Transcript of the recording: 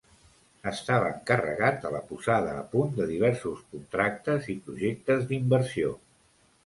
Estava encarregat de la posada a punt de diversos contractes i projectes d'inversió.